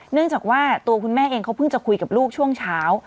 เนื่องจากว่าตัวคุณแม่เองเขาเพิ่งจะคุยกับลูกช่วงเช้า